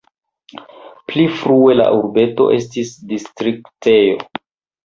Pli frue la urbeto estis distriktejo.